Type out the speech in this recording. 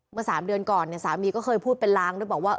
เมื่อ๓เดือนก่อนเนี่ยสามีก็เคยพูดเป็นล้างด้วยบอกว่า